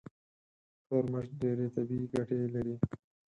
تور مرچ ډېرې طبي ګټې لري.